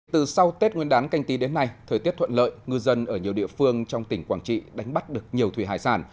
từ sau tết nguyên đán canh tí đến nay thời tiết thuận lợi ngư dân ở nhiều địa phương trong tỉnh quảng trị đánh bắt được nhiều thủy hải sản